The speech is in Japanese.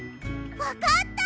わかった！